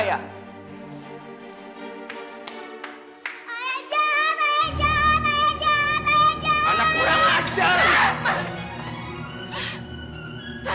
ayah jahat ayah jahat ayah jahat